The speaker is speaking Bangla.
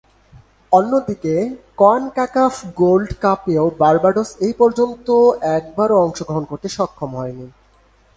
অন্যদিকে, কনকাকাফ গোল্ড কাপেও বার্বাডোস এপর্যন্ত একবারও অংশগ্রহণ করতে সক্ষম হয়নি।